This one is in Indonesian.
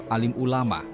sepuluh alim ulama